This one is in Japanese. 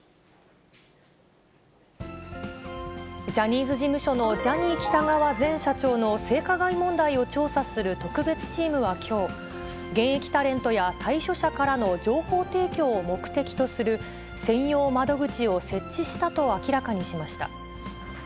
ジャニーズ事務所のジャニー喜多川前社長の性加害問題を調査する特別チームはきょう、現役タレントや退所者からの情報提供を目的とする、専用窓口を設置したと明らかにしました。